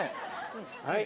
はい。